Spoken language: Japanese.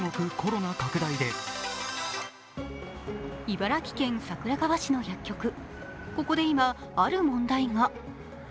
茨城県桜川市の薬局、ここで今、ある問題が。